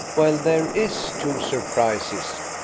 Well, there is two surprises.